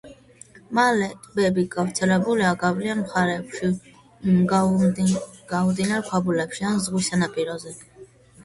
მლაშე ტბები გავრცელებულია გვალვიან მხარეებში, გაუდინარ ქვაბულებში ან ზღვის სანაპიროზე.